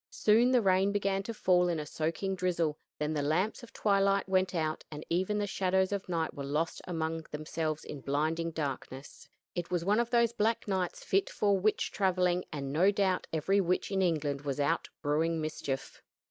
Soon the rain began to fall in a soaking drizzle; then the lamps of twilight went out, and even the shadows of the night were lost among themselves in blinding darkness. It was one of those black nights fit for witch traveling; and, no doubt, every witch in England was out brewing mischief.